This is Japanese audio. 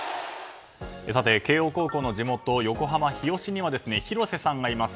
さて、慶應高校の地元横浜・日吉には広瀬さんがいます。